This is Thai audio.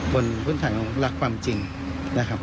บนพุทธภัยหลักความจริงนะครับ